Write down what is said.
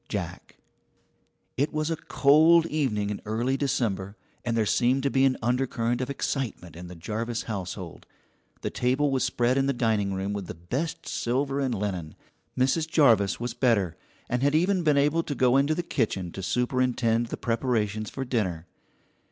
JACK. It was a cold evening in early December, and there seemed to be an undercurrent of excitement in the Jarvis household. The table was spread in the dining room with the best silver and linen. Mrs. Jarvis was better, and had even been able to go into the kitchen to superintend the preparations for dinner.